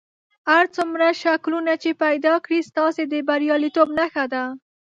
هر څومره شکلونه چې پیدا کړئ ستاسې د بریالیتوب نښه ده.